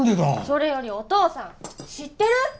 それよりお父さん知ってる？